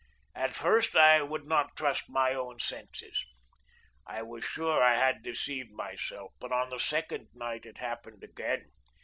At first I would not trust my own senses. I was sure I had deceived myself, but on a second night it happened again.